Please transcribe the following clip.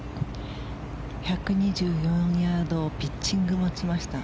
１２４ヤードピッチングを持ちました。